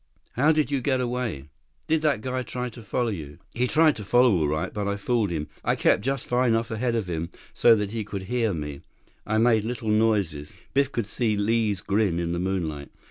How did you get away? Did that guy try to follow you?" "He tried to follow all right. But I fooled him. I kept just far enough ahead of him so he could hear me. I made little noises." Biff could see Li's grin in the moonlight.